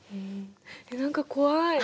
何か怖い。